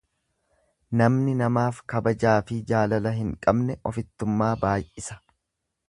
Namni namaaf kabajaafi jaalala hin qabne ofittummaa baay'isa.